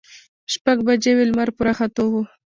شپږ بجې وې، لمر په راختو و.